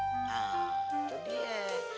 nah itu dia